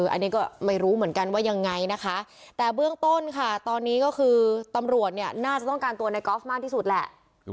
อันนี้ก็ไม่รู้เหมือนกันว่ายังไงนะคะแต่เบื้องต้นค่ะตอนนี้ก็คือตำรวจเนี่ยน่าจะต้องการตัวในกอล์ฟมากที่สุดแหละ